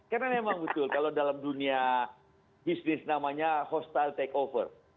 karena memang betul kalau dalam dunia bisnis namanya hostile takeover